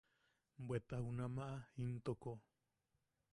Bweta junama intoko.